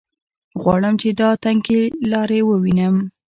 غواړم چې دا تنګې لارې ووینم.